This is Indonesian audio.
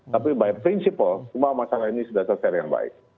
tapi by principle semua masalah ini sudah selesai dengan baik